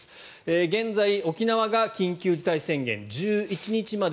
現在、沖縄が緊急事態宣言１１日まで。